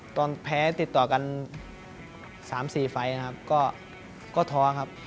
ตอนแพ้ติดต่อกัน๓๔ไฟล์นะครับก็ท้อครับ